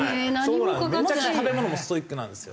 めちゃくちゃ食べ物もストイックなんですよ。